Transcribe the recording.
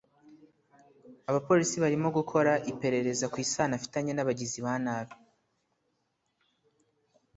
abapolisi barimo gukora iperereza ku isano afitanye n'abagizi ba nabi